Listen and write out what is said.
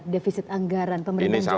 defisit anggaran pemerintahan jokowi